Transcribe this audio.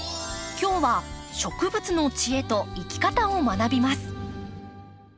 今日は植物の知恵と生き方を学びます。